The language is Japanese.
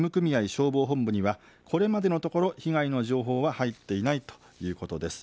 消防本部にはこれまでのところ被害の情報は入っていないということです。